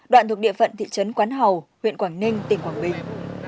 đoạn thuộc địa phận thị trấn quán hầu huyện quảng ninh tỉnh quảng bình